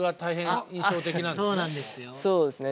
そうですね。